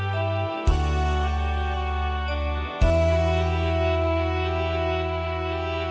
โปรโนมัติเชื่อร้องกัน